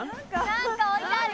なんか置いてある。